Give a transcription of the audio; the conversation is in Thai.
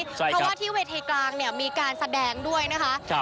เพราะว่าที่เวทีกลางเนี่ยมีการแสดงด้วยนะคะ